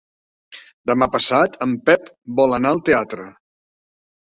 Demà passat en Pep vol anar al teatre.